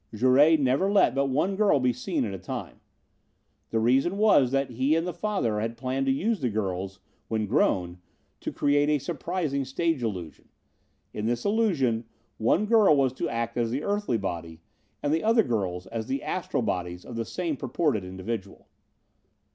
"Jouret never let but one girl be seen at a time. The reason was that he and the father had planned to use the girls, when grown, to create a surprising stage illusion. In this illusion, one girl was to act as the earthly body and the other girls as the astral bodies of the same purported individual.